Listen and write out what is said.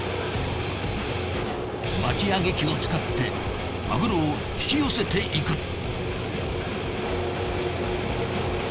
巻き上げ機を使ってマグロを引き寄せていく。